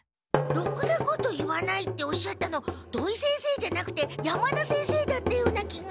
ろくなこと言わないっておっしゃったの土井先生じゃなくて山田先生だったような気が。